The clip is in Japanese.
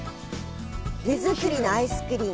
手作りのアイスクリン。